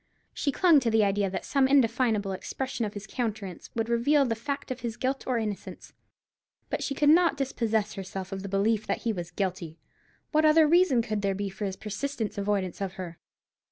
She clung to the idea that some indefinable expression of his countenance would reveal the fact of his guilt or innocence. But she could not dispossess herself of the belief that he was guilty. What other reason could there be for his persistent avoidance of her?